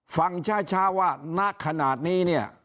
ฟังช้าว่าณขนาดนี้เนี่ย